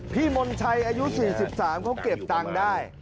มนชัยอายุ๔๓เขาเก็บตังค์ได้